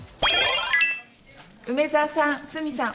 梅澤さん、鷲見さん。